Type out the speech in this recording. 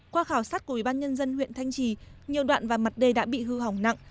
qua khảo sát của ubnd huyện thanh trì nhiều đoạn và mặt đê đã bị hư hỏng nặng